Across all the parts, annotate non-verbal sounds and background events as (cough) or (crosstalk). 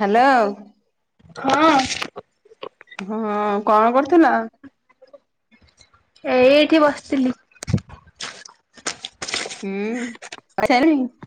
Hello. ହଁ। ହଁ କଣ କରୁଥିଲ? ଏଇଠି ବସିଥିଲି। ହୁଁ (unintelligible)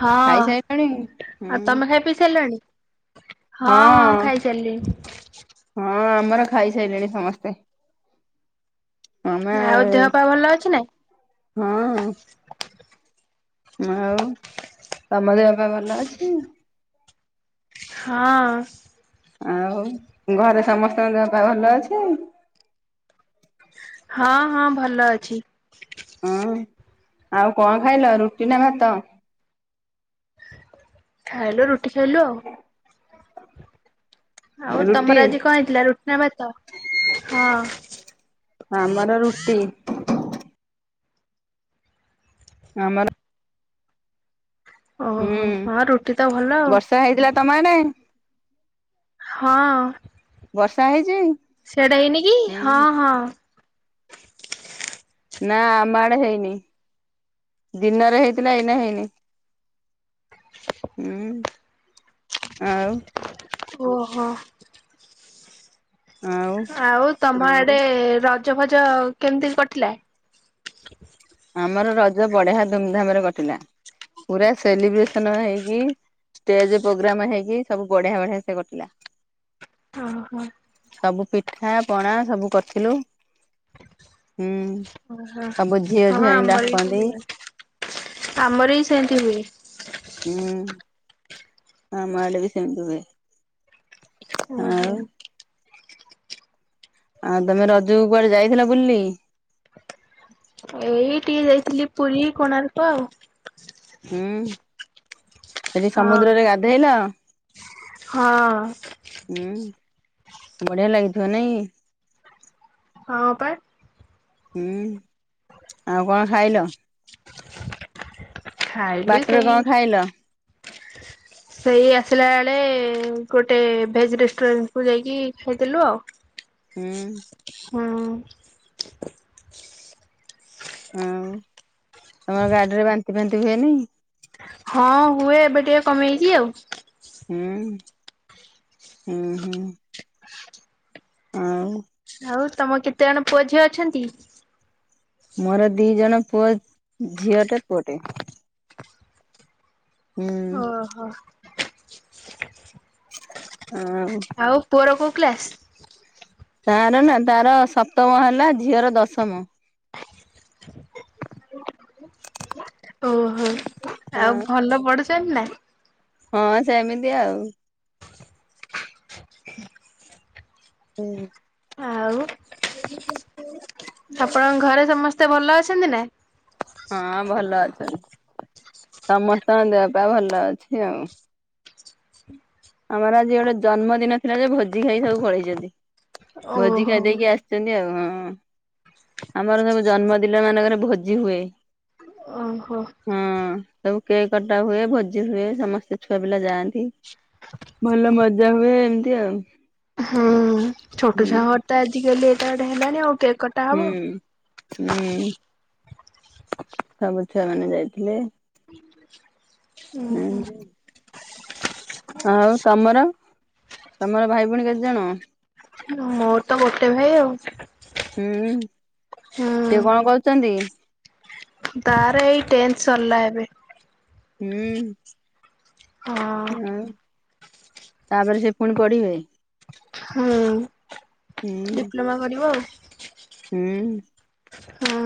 ହଁ ଖାଇସାରିଲଣି ଆଉ ହୁଁ ତମେ ଖାଇ ପିଇ ସାରିଲଣି? ହଁ ହଁ ଖାଇ ସାରିଲିନି। ହଁ ଆମର ଖାଇ ସାରିଲେଣି ସମସ୍ତେ। ଆମେ ଆଉ ଦେହ ପା ଭଲ ଅଛି ନା? ହଁ ଆଉ ତମ ଦେହ ପା ଭଲ ଅଛି? ହଁ। ଆଉ ଘରେ ସମସ୍ତଙ୍କ ଦେ ପା ଭଲ ଅଛି? ହଁ ହଁ ଭଲ ଅଛି। ହୁଁ ଆଉ କଣ ଖାଇଲ ରୁଟି ନା ଭାତ ଖାଇଲୁ ରୁଟି ଖାଇଲୁ ଆଉ ଆଉ ରୁଟି ତମର ଆଜି କଣ ହେଇଥିଲା ରୁଟିନା ଭାତ ହଁ। ଆମର ରୁଟି। ଆମର ହୁଁ ଓହୋ ହଁ ରୁଟି ତ ଭଲ ଆଉ ବର୍ଷା ହେଇଥିଲା ତମ ଆଡେ? ହଁ ବର୍ଷା ହେଇଛି? ସିଆଡେ ହେଇନି କି? ହଁ ହୁଁ ହଁ। ନା ଆମ ଆଡେ ହେଇନି। ଦିନରେ ହେଇଥିଲା ଏଇନା ହେଇନି। ଉଁ ଆଉ। ଓହୋ। ଆଉ ତମ ଆଡେ ରଜ ଫଜ କେମତି କଟିଲା? ଆମର ରଜ ବଢିଆ ଧୁମଧାମରେ କଟିଲା। ପୁରା ସେଲିବ୍ରେସନ ହେଇକି ଷ୍ଟେଜେ ପୋଗ୍ରାମ ହେଇକି ସବୁ ବଢିଆ ବଢିଆ ସେ କଟିଲା। ଅ ହ। ସବୁ ପିଠା ପଣା ସବୁ କରିଥିଲେ। ହୁଁ ଓହୋ ସବୁ। ଝିଅ ହଁ ଝିଆଣି ଆମର ବି ଡାକନ୍ତି ସେମତି ହୁଏ। ଆମର ବି ସେମତି ହୁଏ। ଉଁ। ଆମ ଆଡେ ବି ସେମତି ହୁଏ। ଉଁ ହୁଁ। ଆଉ ଆଉ ତମେ ରଜକୁ କୁଆଡେ ଯାଇଥିଲା ବୁଲ୍ ଲିି? ଏଇ ଟିଏ ଯାଇଥିଲି ପୁରୀ କୋଣାର୍କ ଆଉ। ହୁଁ ସେଠି ହଁ। ସମୁଦ୍ରରେ ଗାଧେଇଲ? ହଁ। ଉଁ ବଢିଆ ଲାଗିଥିବ ନାଇଁ? ହଁ ପା। ହୁଁ ଆଉ କଣ ଖାଇଲ? ଖାଇଲି ବାଟେରେ ସେଇ କଣ ଖାଇଲ? ସେଇ ଆସିଲା ବେଳେ ଗୋଟେ ଭେଜ୍ ରେଷ୍ଟୁରାଣ୍ଟକୁ ଯାଇକି ଖାଇଥିଲୁ ଆଉ। ହୁଁ। ହୁଁ। ହୁଁ। ତମର ଗାଡିରେ ବାନ୍ତି ଫାନ୍ତି ହୁଏନି? ହଁ ହୁଏ ଏବେ ଟିକେ କମେଇଛି ଆଉ। ହୁଁ ହୁଁ ହୁଁ। ଅଁ? ଆଉ ତମ କେତେ ଜଣ ପୁଅ ଝିଅ ଅଛନ୍ତି? ମୋର ଦି ଜଣ ପୁଅ ଝିଅଟେ ପୁଅଟେ। ହୁଁ। ଓହୋ। ହୁଁ। ଆଉ ପୁଅର କୋଉ କ୍ଲାସ୍? ତାର ନା ତାର ସପ୍ତମ ହେଲା ଝିଅର ଦଶମ। ଓହୋ। ହଁ ଆଉ ଭଲ ପଢୁଛନ୍ତି ନା? ହଁ ସେମିତି ଆଉ। ହୁଁ। ଆଉ। ଆପଣଙ୍କ ଘରେ ସମସ୍ତେ ଭଲ ଅଛନ୍ତି ନା? ହଁ ଭଲ ଅଛନ୍ତି। ସମସ୍ତଙ୍କ ଦେହ ପା ଭଲ ଅଛି ଆଉ। ଆମର ଆଜି ଗୋଟେ ଜନ୍ମଦିନ ଥିଲା ଯେ ଭୋଜି ଖାଇ ସବୁ ପଳେଇଚନ୍ତି। ଭୋଜି ଖାଇ ଓହୋ। ଦେଇକି ଆସିଚନ୍ତି ଆଉ ହଁ। ଆମର ସବୁ ଜନ୍ମଦିନ ମାନଙ୍କରେ ଭୋଜି ହୁଏ। ଓହୋ। ହୁଁ ସବୁ କେକ୍ କଟା ହୁଏ। ଭୋଜି ହୁଏ। ସମସ୍ତେ ଛୁଆ ପିଲା ଯାଆନ୍ତି। ଭଲ ମଜା ହୁଏ ଏମତି ଆଉ। ହୁଁ ଛୋଟ ଛୁଆ ହୁଁ ଘର ତ ଆଜିକାଲି ଏଟା ଗଟେ ହେଲାଣି ଆଉ କେକ୍ କଟ୍। ହୁଁ ହୁଁ ସବୁ ଛୁଆ ମାନେ ଯାଇଥିଲେ। (inaudible) ହୁଁ ହୁଁ। ଆଉ ତମର ତମର ଭାଇ ଭଉଣୀ କେତେଜଣ? ମୋର ତ ଗୋଟେ ଭାଇ ଆଉ। ହୁଁ ସିଏ କଣ ହୁଁ କରୁଛନ୍ତି? ତାର ଏଇ ଟେନ୍ଥ ସରିଲା ଏବେ। ହୁଁ। ହଁ। ହୁଁ ତାପରେ ସେ ପୁଣି ପଢ଼ିବେ? ହୁଁ ହୁଁ ଡିପ୍ଲମା କରିବ ଆଉ। ହୁଁ। ହୁଁ।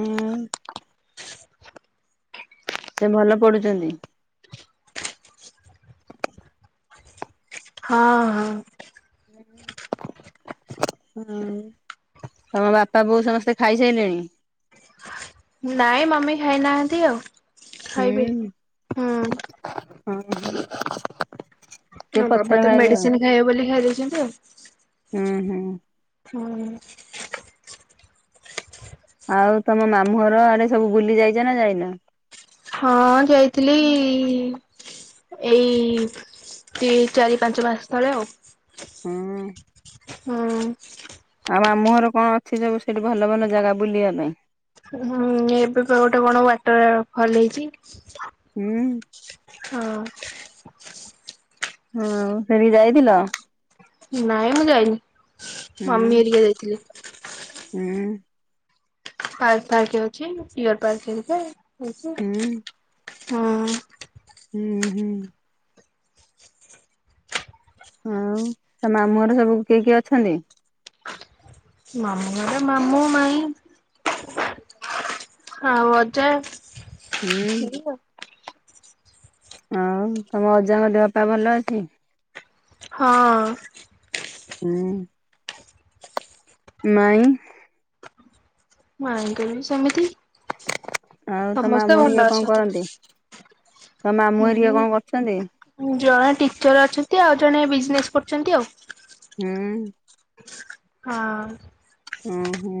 ହୁଁ। ସେ ଭଲ ପଢୁଚନ୍ତି? ହଁ ହଁ। ହୁଁ ହୁଁ ତମ ବାପା ବୋଉ ସମସ୍ତେ ଖାଇସାରିଲେଣି? ନାଇଁ ମମି ଖାଇନାହାନ୍ତି ଆଉ। ଖାଇବେ। ହୁଁ ହୁଁ ହଁ। ସେ ହଁ ବାବା ପଛରେ ତ ଖାଇବେ ଆଉ ମେଡ଼ିସିନ୍ ଖାଇବେ ବୋଲି ଖାଇଦେଇଛନ୍ତି ଆଉ। ହୁଁ ହୁଁ। ହୁଁ। ଆଉ ତମ ମାମୁଁ ଘର ଆଡ଼େ ସବୁ ବୁଲି ଯାଇଚ ନା ଯାଇନ? ହଁ ଯାଇଥିଲି ଏଇ ଦି ଚାରି ପାଞ୍ଚ ମାସ ତଳେ ଆଉ। ହୁଁ ହୁଁ। ଆଉ ମାମୁଁ ଘର କଣ ଅଛି ସବୁ ସେଠି ଭଲ ଭଲ ଜାଗା ବୁଲିବା ପାଇଁ? ହୁଁ ଏବେ ପା ଗୋଟେ କଣ ୱାଟର ଫଲ୍ ହେଇଚି। ହୁଁ। ହଁ। ହୁଁ ସେଠିକି ଯାଇଥିଲ? ନାଇଁ ମୁଁ ଯାଇନି ହୁଁ ମମି ହେରିକା ଯାଇଥିଲେ। ହୁଁ। ପାର୍କ ପାର୍କ ଅଛି ଡି଼ଅର ପାର୍କ ହୁଁ (unintelligible) ହଁ। ହୁଁ ହୁଁ। ଆଉ ତମ ମାମୁଁ‌ ଘର ସବୁ କିଏ କିଏ ଅଛନ୍ତି? ମାମୁଁ ଘର ମାମୁଁ, ମାଇଁ ଆଉ ଅଜା? ହୁଁ ଆଉ ତମ ଅଜା ଙ୍କ ଦେହ ପା ଭଲ ଅଛି? ହଁ। ହୁଁ ମାଇଁ? ମାଇଁ ଙ୍କ ର ସେମିତି। ଆଉ ତୋ ସମସ୍ତେ ମାମୁଁ ଭଲ ହେରିକା କଣ ଅଛନ୍ତି। କରନ୍ତି ତୋ ମାମୁଁ ହେରିକା ହୁଁ କଣ କରୁଚନ୍ତି? ଜଣେ ଟିଚର୍ ଅଛନ୍ତି ଆଉ ଜଣେ ବିଜିନେସ୍ କରୁଛନ୍ତି ଆଉ। ହୁଁ। ହଁ। ଓ ହୋ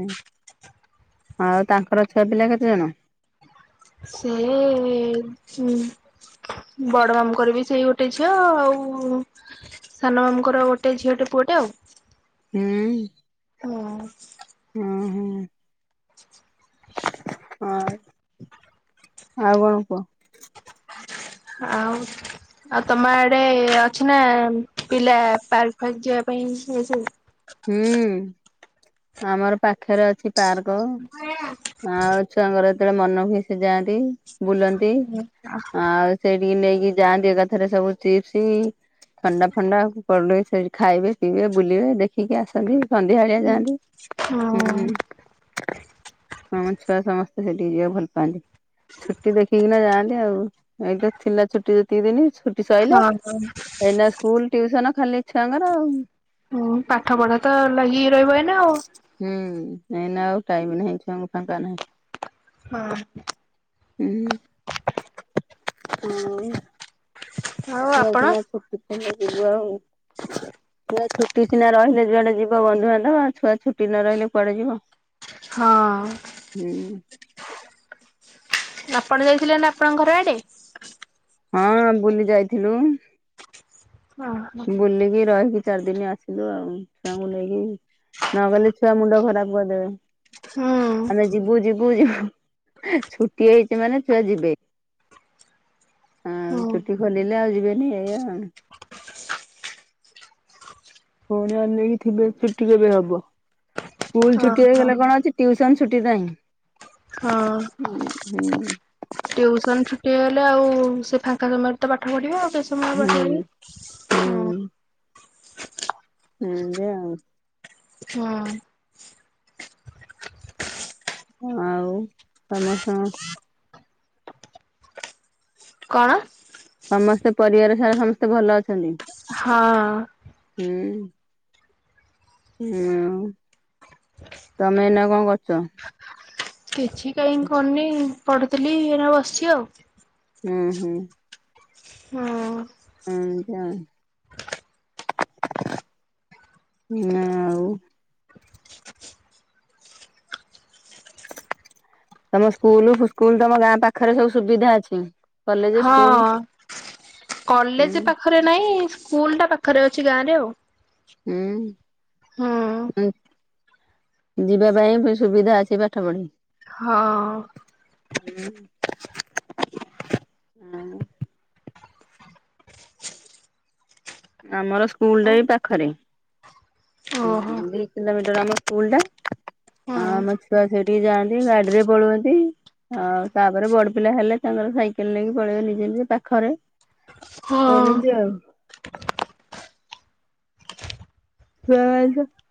ଆଉ ତାଙ୍କର ଛୁଆ ପିଲା କେତେଜଣ? ସେଇ ହୁଁ। ବଡ଼ ମାମୁଁ ଙ୍କ ର ବି ସେଇ ଗୋଟେ ଝିଅ ଆଉ ସାନ ମାମୁଁ ଙ୍କର ଗୋଟେ ଝିଅଟେ ପୁଅଟେ ଆଉ। ହୁଁ। ହୁଁ। ହଁ ହଁ। ହଁ ଆଉ କଣ କୁହ? ଆଉ ଆଉ ତମ ଆଡେ ଅଛି ନା ପିଲା ପାର୍କ ଫାର୍କ ଯିବା ପାଇଁ ସେ ସି ହୁଁ ଆମର ପାଖରେ ଅଛି ପାର୍କ ଆଉ ଛୁଆଙ୍କର ଯେତେବେଳେ ମନ ହୁଏ ସେ ଯାଆନ୍ତି ଆଉ ସେଇଠିକି ନେଇକି ଯାଆନ୍ତି ଏକାଥରେ ସବୁ ଚିପ୍ସି। ଥଣ୍ଡା ଫଣ୍ଡା ପଡ଼ିଲେ ସେଇଠି ଖାଇବେ ପିଇବେ ବୁଲିବେ ଦେଖି ଦେଖିକି ଆସନ୍ତି ସଂଧ୍ୟା ଅଳିଆ ଯାଆନ୍ତି ହଁ ହୁଁ। ହମ ଛୁଆ ସମସ୍ତେ ସେଠିକି ଯିବାକୁ ଭଲ ପାଆନ୍ତି। ଛୁଟି ଦେଖିକିନା ଯାଆନ୍ତି ଆଉ ଏଇ ତ ଥିଲା ଛୁଟି ଯେତିକି ଦିନି ଛୁ ଛୁଟି ସରିଲା ହଁ ଏନା ସ୍କୁଲ ଟିଉସନ୍ ଖାଲି ଛୁଆଙ୍କର ଆଉ। ହୁଁ ପାଠ ପଢା ତ ଲାଗିିକୁ ରହିବ ଏଇନେ ଆଉ। ହୁଁ ଏଇନା ଆଉ ଟାଇମ ନାହିଁ ଛୁଆଙ୍କୁ ଫାଙ୍କା ନାହିଁ। ହଁ। ହୁଁ ହଁ। ଆଉ ଛୁଆ ଆପଣ? ସିନା ଛୁଟି ଖୋଲିଲେ ଯିବୁ ଆଉ ଛୁଆ ଛୁଟି ସିନା ରହିଲେ ଯୁଆଡେ ଯିବ ବନ୍ଧୁବାନ୍ଧବ ଛୁଆ ଛୁଟି ନ ରହିଲେ କୁଆଡେ ଯିବ? ହଁ। ହୁଁ। ଆପଣ ଯାଇଥିଲେ ନା ଆପଣଙ୍କ ଘର ଆଡେ? ହଁ ବୁଲି ଯାଇଥିଲୁ। ଅ ହ। ବୁଲିକି ରହିକି ଚାରି ଦିନି ଆସିଲୁ ଆଉ ତାଙ୍କୁ ନେଇକି। ନ ଗଲେ ଛୁଆ ମୁଣ୍ଡ ଖରାପ୍ କରିଦେବେ। ହୁଁ। ଆମେ ଯିବୁ ଯିବୁ ଯିବୁ ଛୁଟି ହେଇଚି ମାନେ ଛୁଆ ଯିବେ। ହଁ ହୁଁ। ଛୁଟି ଖୋଲିଲେ ଆଉ ଯିବେନି ଏଇଆ ଆଉ। ପୁଣି ଅନେଇକି ଥିବେ ଛୁଟି କେବେ ହବ ସ୍କୁଲ ଛୁଟି ଓହୋ ହେଇଗଲେ କଣ ଅଛି? ଟିୟୁସନ୍ ଛୁଟି କାହିଁ? ହୁଁ ହୁଁ। ଟିୟୁସନ୍ ଛୁଟି ହେଇଗଲେ ଆଉ ସେ ଫାଙ୍କା ସମୟରେ ତ ପାଠ ପଢ଼ିବା ଆଉ ହୁଁ ବେଶୀ (unintelligible) ହଁ। ହୁଁ ହେମିତି ଆଉ। ହଁ। ଆଉ ସମସ୍ତଙ୍କ କଣ? ସମସ୍ତେ ପରିବାର ସାରା ସମସ୍ତେ ଭଲ ଅଛନ୍ତି। ହଁ। ହୁଁ। ହୁଁ, ତମେ ଏଇନା କଣ କରୁଛ? କିଛି କାହିଁକ କରିନି ପଢୁଥିଲି ଏଇନା ବସିଛି ଆଉ। ହୁଁ ହୁଁ। ହଁ। ହଁଁ ଏମିତି ଆଉ। ତମ ସ୍କୁଲ୍ ସ୍କୁଲ୍ ତ ଗାଁ ପାଖରେ ସବୁ ସୁବିଧା ଅଛି। କଲେଜ ହଁ ସ୍କୁଲ କଲେଜ୍ ହୁଁ ପାଖରେ ନାଇଁ ସ୍କୁଲ୍ ଟା ପାଖରେ ଅଛି ଗାଁ ରେ ଆଉ। ହୁଁ ହୁଁ (unintelligible) ଯିବା ପାଇଁ ବି ସୁବିଧା ଅଛି ପାଠ ପଢ଼ି। ହଁ। ହୁଁ। ଆମର ସ୍କୁଲ୍ ଓହୋ ଟା ଏଇ ପାଖରେ। ହୁଁ ହଁ। ଦୁଇ କିଲୋମିଟର ଆମ ସ୍କୁଲଟା ଆଉ ଆମ ଛୁଆ ସେଠି ବି ଯାଆନ୍ତି ଗାଡିରେ ପଳଉଅନ୍ତି। ଆଉ ତାପରେ ବଡ଼ ପିଲା ହେଲେ ତାଙ୍କର ସାଇକେଲ୍ ନେଇକି ପଳେଇବେ ନିଜେ ନିଜେ ପାଖରେ। ଏମିତି ହଁ ଆଉ। (unintelligible) (unintelligible)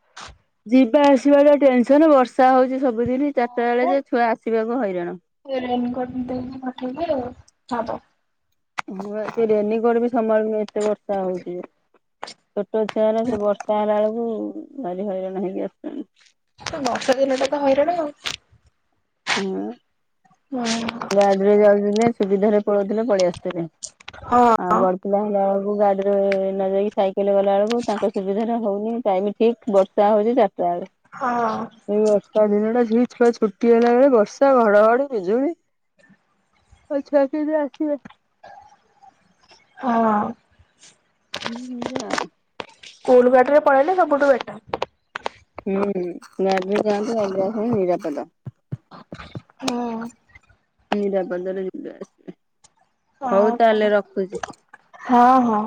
ଯିବା ଆସିବା ଟା ଟେନସନ, ବର୍ଷା ହଉଛି ସବୁଦିନ ଚାରିଟା ବେଳେ ପରା। ଯେ ଛୁଆ ଆସିବାକୁ ହଇରାଣ। ରେନିକୋଟ ପିନ୍ଧେଇ କି ପଠେଇଲେ ମୁଁ ଏ ରେନିକୋଟ ବି ସମ୍ଭାଳୁନ ଏତେ ବର୍ଷା ହଉଛି ଯେ ଛୋଟ ଛୁଆ ଏରା ସେ ବର୍ଷା ହେଲା ବେଳକୁ ଭଲି ହଇରାଣ ହେଇକି ଆସୁଛନ୍ତି। ବର୍ଷା ଦିନ ଟା ତ ହଇରାଣ ଆଉ। ହୁଁ। ହୁଁ। ଗାଡିରେ ଯାଉଥିଲେ ସୁବିଧାରେ ପଳଉଥିଲେ ପଳେଇ ଆସୁଥିଲେ। ହଁ। ଆଉ ବଡ ପିଲା ହେଲା ବେଳକୁ ଗାଡିରେ ନ ଯାଇକି ସାଇକେଲ ଗଲା ବେଳକୁ ତାଙ୍କ ସୁବିଧାର ହଉନି ଟାଇମ ଠିକ୍ ବର୍ଷା ହଉଛି ଚାରିଟା ବେଳକୁ। ହଁ। ଏଇ ବର୍ଷା ଦିନଟା ଠିକ୍ ଛୁଆ ଛୁଟି ହେଲା ବେଳେ ବର୍ଷା ଘଡଘଡି ବିଜୁଳି। ଆଉ ଛୁଆ କେମିତି ଆସିବେ? ହଁ। ହୁଁ ସେମିତି ଆଉ। ସ୍କୁଲ ଗାଡି ରେ ପଳେଇଲେ ସବୁଠୁ ବେଟର। ହୁଁ ଗାଡ଼ି ରେ ଯାଆନ୍ତି ଗାଡ଼ିରେ ଆସନ୍ତି ନିରାପଦ। ହୁଁ ନିରାପଦରେ ଯିବେ ଆସିବେ ହଉ ଆଉ କଣ ତାହେଲେ ରଖୁଛି। ହଁ ହଁ।